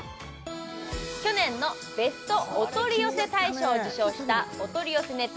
去年のベストお取り寄せ大賞を受賞したおとりよせネット